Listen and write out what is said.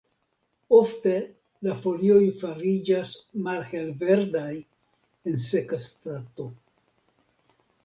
Ofte la folioj fariĝas malhelverdaj en seka stato.